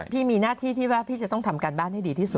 พี่มีหน้าที่ที่ว่าพี่จะต้องทำการบ้านให้ดีที่สุด